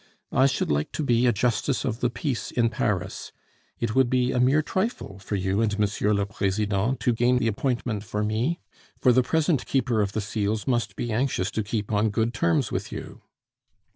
I should like to be a justice of the peace in Paris. It would be a mere trifle for you and M. le President to gain the appointment for me; for the present Keeper of the Seals must be anxious to keep on good terms with you...